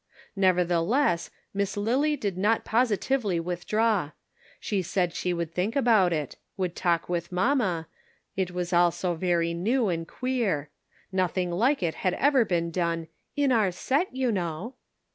Nevertheless, Miss Lily did not positively withdraw ; she said she would think about it ; would talk with mamma, it was all so very new and queer; nothing like it had ever been done in " our set, you know."